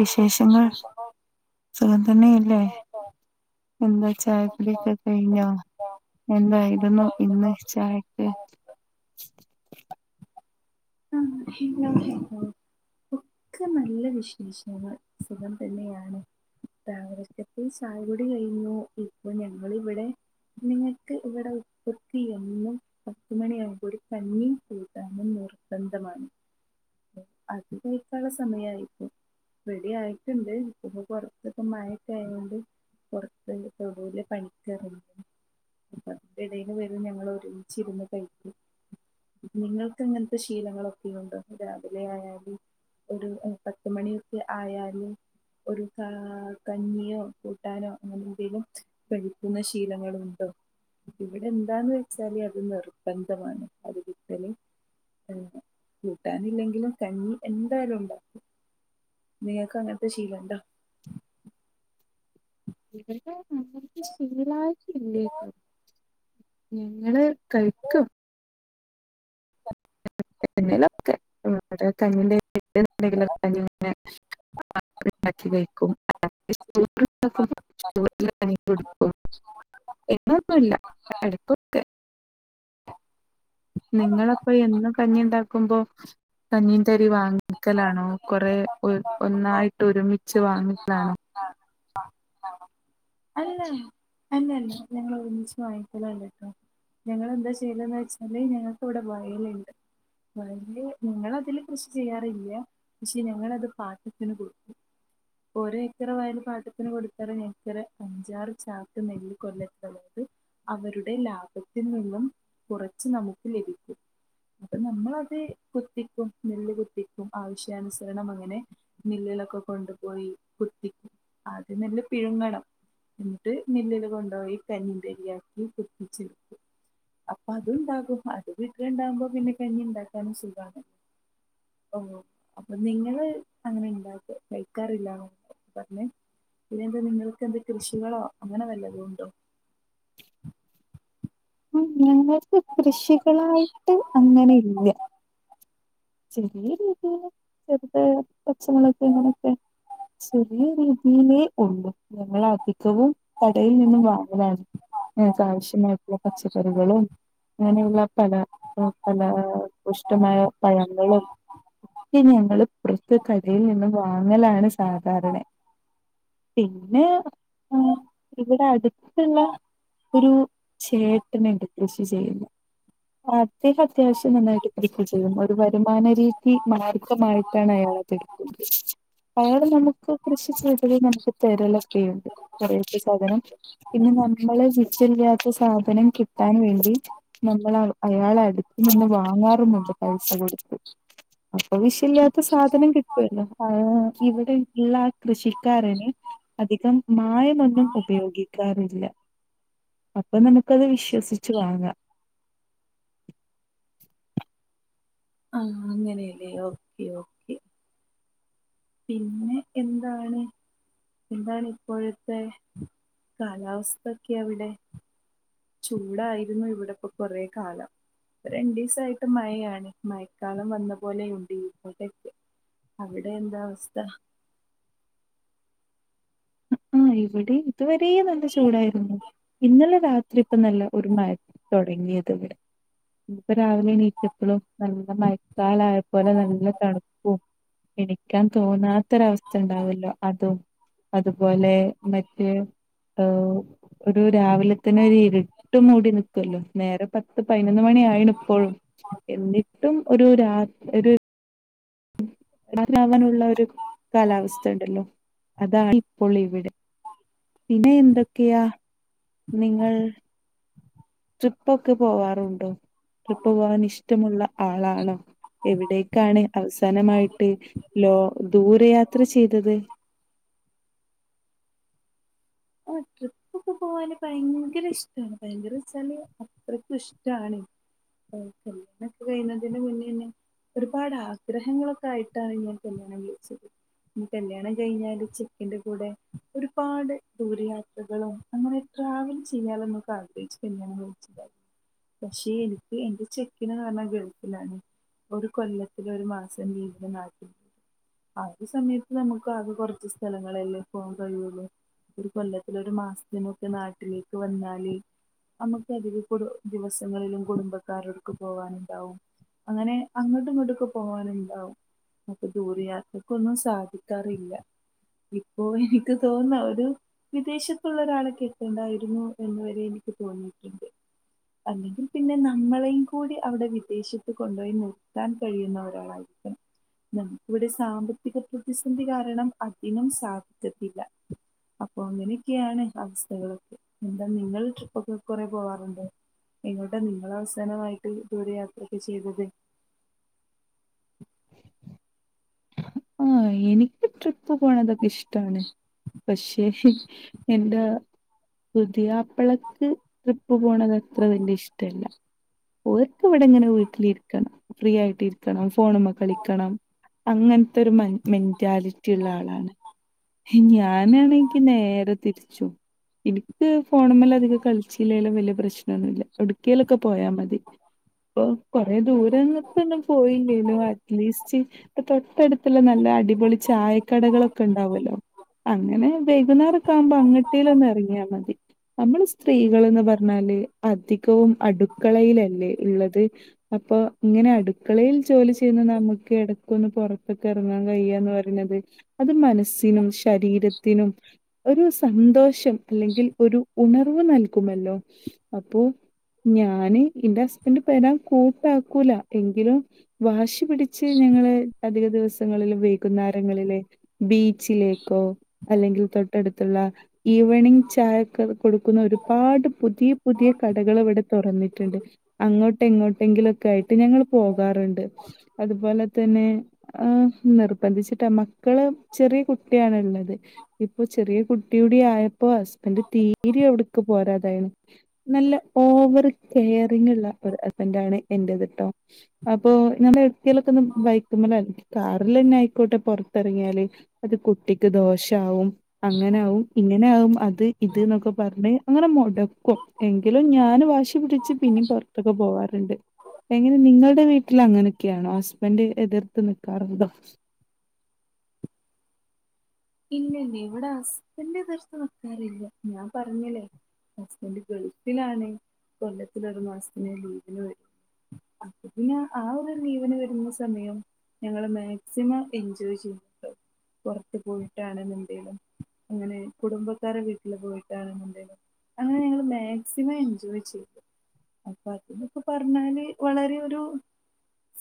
വിശേഷങ്ങൾ സുഖം തന്നെയല്ലേ എന്താ ചായ കുടി ഒക്കെ കഴിഞ്ഞോ എന്തായിരുന്നു ഇന്ന് ചായക്ക് [inaudible] [unintelligible] ഒക്കെ നല്ല വിശേഷങ്ങള്. സുഖം തന്നെയാണ് രാവിലക്കത്തെ ചായ കുടി കഴിഞ്ഞു. ഇപ്പൊ ഞങ്ങള് ഇവിടെ ഞങ്ങക്ക് ഇവടെ ഉപ്പക്ക് എന്നും പത്തുമണിയാമ്പൊ ഒരു കഞ്ഞീം കൂട്ടാനും നിർബന്ധമാണ് അത് കഴിക്കാള്ള സമയായി ഇപ്പൊ റെഡി ആയിട്ട്ണ്ട്. ഇപ്പപ്പൊ പൊറത്തൊക്കെ മയക്കെ ആയോണ്ട് പൊറത്ത് തൊടൂല് പണിക്കെറ [unintelligible] ഉപ്പ എടയില് വരും ഞങ്ങൾ ഒരുമിച്ചിരുന്ന് കഴിക്കും നിങ്ങൾക്ക് അങ്ങനത്തെ ശീലങ്ങളൊക്കെയുണ്ടോ രാവിലെ ആയാല് ഒരു പത്തുമണിയൊക്കെ ആയാല് ഒരു കാ കഞ്ഞിയോ കൂട്ടാനോ അങ്ങനെ എന്തേലും കഴിക്കുന്ന ശീലങ്ങളുണ്ടോ ഇവിടെ എന്താന്ന് വെച്ചാല് അത് നിർബന്ധമാണ് അത് കിട്ടല്. അങ്ങനെ കൂട്ടാനില്ലെങ്കിലും കഞ്ഞി എന്തായാലും ഉണ്ടാക്കും. നിങ്ങൾക്ക് അങ്ങനത്തെ ശീലണ്ടോ [unintelligible] ശീലായിട്ടില്ലേട്ടൊ ഞങ്ങള് കഴിക്കും എന്നേലൊക്കെ [unintelligible] [unintelligible] കഴിക്കും [unintelligible] എന്നൊന്നുല്ല [inaudible] നിങ്ങളപ്പൊ എന്നും കഞ്ഞിണ്ടാക്കുമ്പൊ കഞ്ഞിന്റരി വാങ്ങ ക്കലാണോ കൊറേ ഒര് ഒന്നായിട്ട് ഒരുമിച്ച് വാങ്ങിക്കലാണോ ആഹ് ആഹ് ആഹ് അല്ല അല്ലല്ല ഞങ്ങള് ഒരുമിച്ച് വാങ്ങിക്കലല്ല ട്ടോ ഞങ്ങളെന്താ ചെയ്യല് ന്ന് വെച്ചാല് ഞങ്ങൾക്ക് ഇവിടെ വയല്ണ്ട് വയല് ഞങ്ങളതില് കൃഷി ചെയ്യാറില്ല പക്ഷെ ഞങ്ങളത് പാട്ടത്തിന് കൊടുക്കും ഒരേക്കറ വയല് പാട്ടത്തിന് കൊടുത്തല് ഞങ്ങക്കെര് അഞ്ചാറ് ചാക്ക്‌ നെല്ല് കൊല്ല അതായത് അവരുടെ ലാഭത്തിൽ നിന്നും കുറച്ച് നമുക്ക് ലഭിക്കും അപ്പള് നമ്മളത് കുത്തിക്കും നെല്ല് കു കുത്തിക്കും. ആവശ്യാനുസരണം അങ്ങനെ മില്ലിലൊക്കെ കൊണ്ടുപോയി കുത്തിക്കും ആദ്യം നെല്ല് പിഴുങ്ങണം എന്നിട്ട് മില്ലിലെ കൊണ്ടോയി കഞ്ഞിന്റെ അരിയായി കുതിച്ചെടിക്കും അപ്പൊ അതുണ്ടാകും അത് വീട്ടുലുകുണ്ടാവുമ്പോ പിന്നെ കഞ്ഞി ണ്ടാക്കാന സുഖാണ് ഓഹോ അപ്പൊ നിങ്ങള് അങ്ങനെ ണ്ടാക്കി കഴി ക്കാറില്ലാന്നാണൊ പറഞ്ഞത് പിന്നെന്താ കൃഷികളോ അങ്ങനെ വല്ലതും ഉണ്ടോ ഞങ്ങൾക്ക് കൃഷികളായിട്ട് അങ്ങനെ യില്ല ചെറിയ രീതീല് ചെറുത പച്ചമൊളക് അങ്ങനെക്കെ ചെറിയ രീതീല് ഒള്ളു ഞങ്ങളധികവും കടയിൽ നിന്നും വാങ്ങലാണ് ഞങ്ങൾക്ക് ആവശ്യള്ളത് പച്ചക്കറികളും അങ്ങനെയുള്ള ഫലപുഷ്ടമായ പഴങ്ങളും ഇനി ഞങ്ങള് പുറത്ത് കടയിൽ നിന്നും വാങ്ങലാണ് സാധാരണ പിന്നെ ആഹ് ഇവിടെ അട്ത്ത്ള്ള ഒരു ഏട്ടന്ണ്ട് കൃഷി ചെയ്യുന്ന അദ്ദേഹം അത്യാവശ്യം നന്നായിട്ട് കൃഷി ചെയ്യും ഒരു വരുമാനരീതി മാർ ഗമായിട്ടാണ് അയാള് അതെടുക്കുന്നത് അയാള് നമുക്ക് കൃഷി ചെയ്തല് നമുക്ക് തരലൊക്കെയുണ്ട് കടേത്ത സാധനം പിന്നെ നമ്മള് [unintelligible] സാധനം കിട്ടാൻ വേണ്ടി നമ്മളാള് അയാളട്ത്ത്നിന്ന് വാങ്ങാറുമുണ്ട് പൈസ കൊട്ത്ത് അപ്പൊ വിശല്യാത്ത സാധനം കിട്ടുവല്ലോ ആഹ് ഇവിടെ ഇള്ള കൃഷിക്കാരന് അധികം മായമൊന്നും ഉപയോഗിക്കാറില്ല അപ്പൊ നമുക്കത് വിശ്വസിച്ച് വാങ്ങ ആഹ് അങ്ങനെല്ലേ ഓകെ ഓ പിന്നെ എന്താണ് എന്താണിപ്പോഴത്തെ കാലാവസ്ഥൊക്കെ അവിടെ ചൂടായിരുന്നു ഇവിടെപ്പോ കുറേകാലം പ്പൊ രണ്ടീസായിട്ട്മഴയാണ് മഴക്കാലം വന്ന പോലെയുണ്ടിവ്ടൊക്കെ അവിടെ എന്താ അവസ്ഥ ആഹ് ഇവിടെ ഇതുവരേ നല്ല ചൂടായിരുന്നു ഇന്നലെ രാത്രിപ്പ നല്ല ഒരു മഴ തൊടങ്ങിയത്വ്ടെ പ്പ രാവിലെ എണീറ്റപ്പളും നല്ല മയക്കാലായപോലെ നല്ല തണുപ്പും എണിക്കാൻ തോന്നാത്തൊരവസ്ഥണ്ടാവല്ലോ അതും അതും പോലേ മറ്റേ സ്കൗ ഒരു രാവിലെ തന്നെ ഒരു ഇര്ട്ട് മൂടി ന്നിക്കല്ലോ നേരം പത്ത് പയ്നൊന്ന് മണിയായീണ് ഇപ്പൊഴും എന്നിട്ടും ഒരു രാ ഒരു ഉം രാത്രി ആവനുള്ള ഒരു കാലാവസ്ഥണ്ടല്ലോ അതാണ് ഇപ്പോൾ ഇവിടെ പിന്നെ എന്തൊക്കെയാ നിങ്ങൾ ട്രിപ്പൊക്കെ പോവാറുണ്ടോ ട്രിപ്പ് പോവാൻ ഇഷ് ട്ടമുള്ള ആളാണോ എവിടേക്കാണ് അവസാനമായിട്ട് ലോ ദൂരയാത്ര ചെയ്തത് ആഹ് ട്രിപ്പൊക്കെ പോവാന് ഭയങ്കരഷ് ട്ടാണ് ഭയങ്കരച്ചാല് അത്രയ്ക്കുഷ്ടാണ് [unintelligible] പ്ലസ്ടു കയ്യുന്നതിൻ്റെ മുന്നേണ് ഒരുപാട് ആഗ്രഹങ്ങളൊക്കെ ആയിട്ടാണ് ഞാൻ കല്യാണം വിളിച്ചത് ഇനി കല്യാണം കഴിഞ്ഞാല് ചെക്കന്റെ കൂടെ ഒരുപാട് ദൂരയാത്രകളും അങ്ങനെ ട്രാവൽ ചെയ്യാലൊന്നും [unintelligible] പക്ഷെ എനിക്ക് എന്റെ ചെക്കന് ന്നറഞ്ഞ ഗൾഫിലാണ് ഒരുകൊല്ലത്തില് ഒരുമാസം ലീവ്ന് നാട്ടിക് ആഹ് ഒരുസമയത്ത് നമുക്ക് ആകെ കൊറച്ച് സ്ഥലങ്ങളല്ലേ പോവാം കഴിയൊള്ളൂ. ഒരു കൊല്ലത്തിലൊരു മാസത്തിനൊക്കെ നാട്ടിലേക്ക് വന്നാല് നമുക്ക് അധിക കുടു ദിവസങ്ങളിലും കുടുംബക്കാരോട്ക്ക് പോവാന്ണ്ടാവും അങ്ങനെ അങ്ങട്ടും ഇങ്ങട്ടൊക്കെ പോവാനുണ്ടാവും. അപ്പൊ ദൂരയാത്രക്കൊന്നും സാധിക്കാറില്ല ഇപ്പോ ഇനിക്ക് തോന്നാ ഒരു വിദേശത്തുള്ളരാളെ കെട്ടണ്ടായിരുന്നു എന്ന് വരെ എനിക്ക് തോന്നിയിട്ടുണ്ട്. അല്ലെങ്കിൽ പിന്നെ നമ്മളെയും കൂടി അവിടെ വിദേശ ത്ത് കൊണ്ടോയി നിർത്താൻ കഴിയുന്ന ഒരാളായിരിക്കണം. നമുക്കിവിടെ സാമ്പത്തിക പ്രതിസന്ധി കാരണം അതിനും സാധിക്കത്തില്ല. അപ്പൊ അങ്ങനൊക്കെയാണ് അവസ്ഥകൾ എന്താ നിങ്ങള് ട്രിപ്പൊക്കെ കൊറെ പോവാറുണ്ടോ എങ്ങോട്ട നിങ്ങള് അവസാനമായിട്ട് ദൂര യാത്രയൊക്കെ ചെയ്തത്. ആഹ്‌ എനിക്ക് ട്രിപ്പ് പോണതൊക്കെ ഇഷ് ടാണ് പക്ഷേ എന്റെ പുതിയാപ്പളക്ക് ട്രിപ്പ് പോണത് അത്ര വല്യ ഇഷ്ടല്ല ഓർക് ഇവിടെ ഇങ്ങനെ വീട്ടിലിരിക്കണം. ഫ്രീ ആയിട്ട് ഇരിക്കണം ഫോണ്‌മ്മെ കളിക്കണം അങ്ങനത്തെ മ ഒരു മെന്റാലി ലിറ്റിയുള്ള ആളാണ് ഞാനാണെങ്കി നേരെ തിരിച്ചും. ഇൻക്ക് ഫോണമേലധികം കളിച്ചില്ലേലും വലിയ പ്രശ്നൊന്നുല്ല എവ്ട്ക്കേങ്കിലൊക്കെ പോയാ മതി. ഇപ്പൊ കൊറെേ ദൂരെ ന്നും ദൂരത്തൊന്നും പോയില്ലേലും അറ്റ്ലീസ്റ്റ് ഇപ്പൊ തൊട്ടടുത്ത ള്ള നല്ല അടിപൊളി ചായക്കടകളൊക്കെ ഉണ്ടാവല്ലോ അങ്ങനെ വൈകുന്നാരൊക്കെ ആകുമ്പോ അങ്ങട്ടേലും ഒന്ന് എറങ്ങിയാ മതി. നമ്മള് സ്ത്രീകൾന്ന് പർഞ്ഞാല് അധികവും അടുക്കളയിലല്ലേ ഉള്ളത് അപ്പൊ ഇങ്ങനെ അടുക്കളയിൽ ജോലി ചെയ്യുന്ന നമുക്ക് ഇടക്ക് ഒന്ന്പൊ പൊറത്ത്ക്കെറങ്ങാൻ കഴിയാന്ന് പറയ്ണത് അത് മനസ്സിനും ശരീരത്തിനും ഒരു സന്തോഷം അല്ലെങ്കിൽ ഒരു ഉണർവ് നൽകുമല്ലോ അപ്പോ ഞാന് എന്റെ ഹസ്ബൻഡ് വെരാൻ കൂട്ടാക്കൂല എങ്കിലും വാശി പിടി ച്ച് ഞങ്ങള് അധിക ദിവസങ്ങളിൽ വൈകുന്നരങ്ങളില് ബീ ച്ചിലേക്കോ അല്ലെങ്കിൽ തൊട്ടടുത്തുള്ള ഈവനിങ് ചായൊക്കെ കൊടുക്കുന്ന ഒരുപാട് പുതിയ പുതിയ കടകള് ഇവിടെ തുറന്നിട്ടുണ്ട് അങ്ങോട്ടെങ്ങോട്ടെങ്കിലൊക്കെ ആയിട്ട് ഞങ്ങള് പോകാറുണ്ട് അതുപോലെ തന്നെ ഏഹ് നിർബന്ധിച്ചിട്ടാ മക്കള് ചെറിയ കുട്യാണ്ള്ളത് ഇപ്പൊ ചെറിയ കുട്ടിയൂടി ആയപ്പോ ഹസ്ബൻഡ് തീരെ എവിട്ക്ക് പോരാതായി. നല്ല ഓവർ കെയറിംങ്ങുള്ള ഒരു ഹസ്ബന്റ ണ് ഇന്റേതിട്ടോ അപ്പൊ നമ്മള് എവിട്ക്കേങ്കിലൊക്കെ ഒന്ന് ബൈക്കുമ്മെ ല് കാറിലെന്നെയിക്കോട്ടെ പൊറത്തിറങ്ങിയാല് അത് കുട്ടിക്ക് ദോഷാവും അങ്ങനാവും ഇങ്ങനെയാകും അത് ഇത്ന്നൊക്കെ പറഞ് അങ്ങനെ മൊട ടക്കും എങ്കിലും ഞാൻ വാശി പിടിച്ച് പിന്നീ പുറത്തൊക്കെ പോവാറുണ്ട്. എങ്ങനെ നിങ്ങളുടെ വീട്ടിൽ അങ്ങനെയൊക്കെയാണോ ഹസ്ബൻഡ് എതിർത്ത് നിക്കാറുണ്ടോ ഇല്ല ഇല്ല ഇവിടെ ഹസ്ബൻഡ് എതിർത്ത് നിക്കാറില്ല ഞാൻ പറഞ്ഞില്ലേ ഹസ്ബൻഡ് ഗൾഫിലാണ് കൊല്ലത്തില് ഒരു മാസത്തിന് ലീവിന് വരു അപ്പൊ പിന്നെ ആ ഒരു ലീവ്ന് വരുന്ന സമയം ഞങ്ങള്മാക്സിമം എൻജോയ് ചെയ്യുന്നു പുറത്ത് പോയി ട്ടാണ് എന്നുണ്ടെലും അങ്ങനെ കുടുംബക്കാരെ വീട്ടിൽ പോയിട്ടാണ് എന്നുണ്ടെലും അങ്ങനെ ഞങ്ങള് മാക്സിമം എൻജോയ് ചെയ്തു അപ്പൊ അതിനൊക്കെ പർഞ്ഞാല് വളരെ ഒരു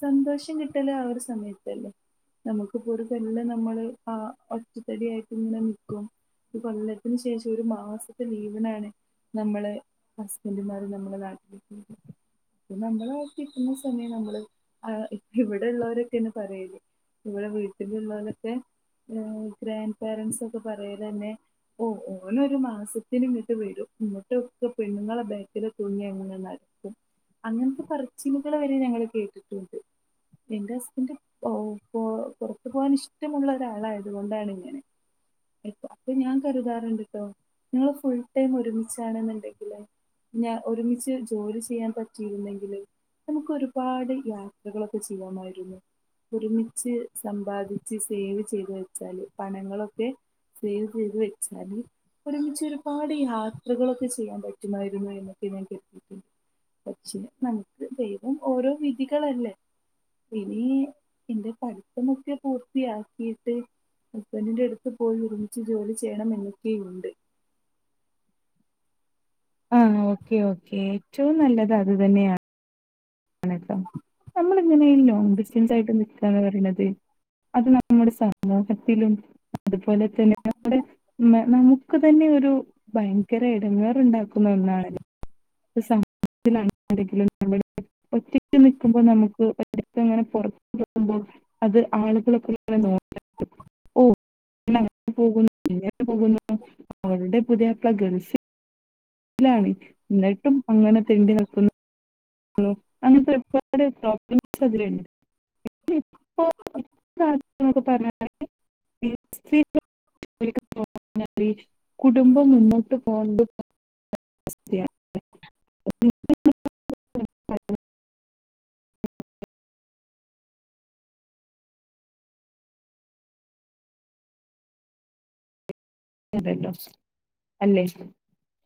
സന്തോഷം കിട്ടലും ആ ഒരു സമയത്തല്ലേ നമുക്ക് ഇപ്പോ ഒര് കൊല്ലം നമ്മള് ആ ഒറ്റത്തടിയായിട്ട്ങ്ങനെ നിക്കും. ഒര് കൊല്ലത്തിന് ശേഷം ഒരു മാസത്തെ ലീവനാണ് നമ്മള് ഹസ്ബൻഡുമാര് നമ്മുടെ നാട്ടിലെക്ക്‌ വരുന്നത് പ്പ നമ്മള് കിട്ടുന്ന സമയം നമ്മള് ആ ഇവിടെള്ളോരൊക്കെഒന്ന് പറയല് ഇവിടെ വീട്ടിലുള്ളോരൊക്കെ ഗ്രാൻഡ് പാരൻസ് ഒക്കെ പറയലെന്നെ ഓ ഓലൊരു മാസത്തിന്ങ്ങട്ട് വരും ങ്ങട്ടൊക്കെ പെണ്ണുങ്ങളെ ബക്കില് തൂങ്ങി അങ്ങനെ നട ക്കും അങ്ങൻത്തെ പറച്ചിലുകൾ വരെ ഞങ്ങള് കേട്ടിട്ടുണ്ട് ഇന്റെ ഹസ്ബൻഡ് പൊ പൊ പൊറത്തു പോകാൻ ഇഷ് ടമുള്ള ഒരാളായത്കൊണ്ടാണ് ഇങ്ങനെ ഇപ്പ അപ്പൊ ഞാൻ കരുതാറുണ്ട് ട്ടോ ങ്ങള് ഫുൾ ടൈം ഒരുമിച്ചാണെന്നുണ്ടെങ്കില് ഞാ ഒരുമിച്ച് ജോലി ചെയ്യാൻ പറ്റിയിരുന്നെങ്കില് നമുക്ക് ഒരുപാട് യാത്രകളൊക്കെ ചെയ്യാമായിരുന്നു ഒരുമിച്ച് സമ്പാദി ച്ച് സേവ് ചെയ്ത് വെച്ചാല് പണങ്ങളൊക്കെ സേവ് ചെയ്ത് വെച്ചാല് ഒരുമിച്ച് ഒരുപാട് യാത്രകളൊക്കെ ചെയ്യാൻ പ റ്റുമായിരുന്നു എന്നൊക്കെ ഞാൻ കരുതിക്ക്ണ് പക്ഷേ നമുക്ക് ദൈവം ഓരോ വിധികളല്ലേ ഇനി എന്റെ പഠിത്തമൊക്കെ പൂർത്തിയാക്കിട്ട് ഹസ്ബന്റിന്റെ അടുത്ത് പോയി ഒരുമിച്ച് ജോലി ചെയ്യണം എന്നൊക്കെയുണ്ട് ആഹ് ഓക്കെ ഓക്കേ ഏറ്റവും നല്ലത് അത് തന്നെയാണ് അങ്ങനെട്ടോ നമ്മളിങ്ങനെ ലോങ് ഡിസ്റ്റൻസായിട്ട് നിക്കാന്ന് പറിണത് അത് നമ്മുടെ സമൂഹത്തിലും അതുപോലെ തന്നെ നമ്മുടെ നമുക്ക് തന്നെ ഒരു ഭയങ്കര ഇടങ്ങേറുണ്ടാക്കുന്ന ഒന്നാണല്ലോ സമൂഹത്തിലാണെങ്കില് നമ്മൾ ഒറ്റക്ക് നിക്കുമ്പോ നമുക്ക് പ്പങ്ങനെ പുറത്തു പോകുമ്പോ അത് ആളുകളൊക്കെ ഇങ്ങനെ നോ ഓഹ് ഓളങ്ങനെ പോകുന്നു ഇങ്ങനെ പോകുന്നു അവളുടെ പുതിയാപ്ല ഗൾഫി ലാണ് ന്നിട്ടും അങ്ങനെ തെണ്ടി നടക്കുന്നു ന്നു അങ്ങനത്തെ ഒരുപാട് ടോക്കിംഗ്സ് അതിലുണ്ട് ഇപ്പൊ രാത്രി ഒക്കെ പറഞ്ഞാല് [unintelligible] കുടുംബം മുന്നോട്ട് പോണ്ടത് [unintelligible] ഉണ്ടല്ലോ അല്ലേ